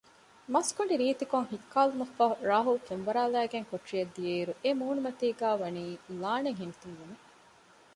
މަސްގޮނޑި ރީތިކޮށް ހިއްކާލުމަށްފަހު ރާހުލް ފެންވަރާލައިގެން ކޮޓަރިއަށް ދިޔައިރު އެ މޫނުމަތީގައި ވަނީ ލާނެތް ހިނިތުންވުމެއް